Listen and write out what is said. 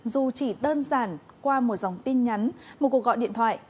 dù chỉ đơn giản qua một dòng tin nhắn một cuộc gọi điện thoại